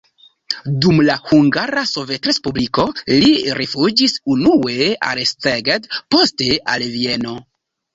Dum la Hungara Sovetrespubliko li rifuĝis unue al Szeged, poste al Vieno.